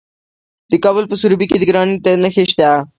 د کابل په سروبي کې د ګرانیټ نښې شته.